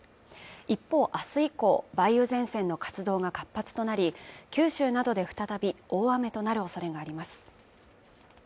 一方、明日以降、梅雨前線の活動が活発となり、九州などで再び大雨となるおそれがあります。